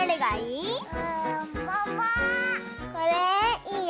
いいよ！